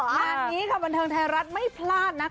วันนี้บันทึงไทยรัฐไม่พลาดนะ